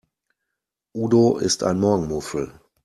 Udo ist ein Morgenmuffel.